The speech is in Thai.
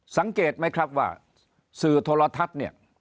สังเกตไหมครับว่าสื่อโทรทัศน์เนี่ย